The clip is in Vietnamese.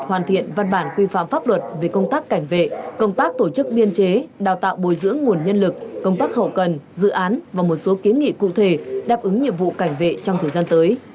hoàn thiện văn bản quy phạm pháp luật về công tác cảnh vệ công tác tổ chức biên chế đào tạo bồi dưỡng nguồn nhân lực công tác hậu cần dự án và một số kiến nghị cụ thể đáp ứng nhiệm vụ cảnh vệ trong thời gian tới